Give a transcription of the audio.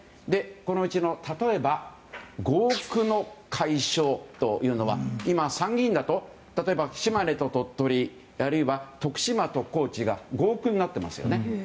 このうちの例えば、合区の解消というのは今、参議院だと例えば島根と鳥取あるいは徳島と高知が合区になっていますよね。